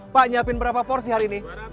pak ini punya berapa porsi hari ini